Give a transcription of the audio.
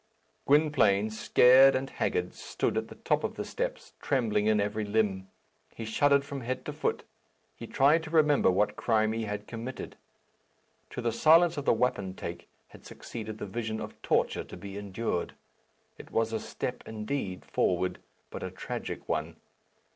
Gwynplaine, scared and haggard, stood at the top of the steps, trembling in every limb. He shuddered from head to foot. He tried to remember what crime he had committed. To the silence of the wapentake had succeeded the vision of torture to be endured. It was a step, indeed, forward; but a tragic one.